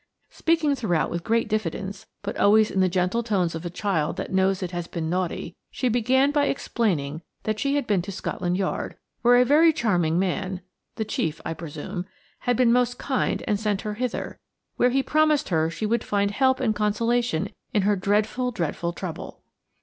Speaking throughout with great diffidence, but always in the gentle tones of a child that knows it has been naughty, she began by explaining that she had been to Scotland Yard, where a very charming man–the chief, I presume–had been most kind and sent her hither, where he promised her she would find help and consolation in her dreadful, dreadful trouble.